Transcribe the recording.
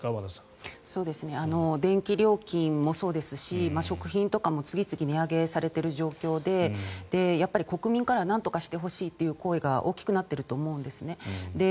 電気料金もそうですし食品とかも次々値上げされている状況でやっぱり国民からはなんとかしてほしいという声が大きくなってきていると思うんですね。